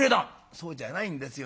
「そうじゃないんですよ。